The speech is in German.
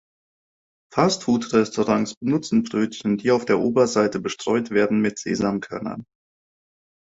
Fastfood-Restaurants benutzen Brötchen, die auf der Oberseite bestreut werden mit Sesamkörnern.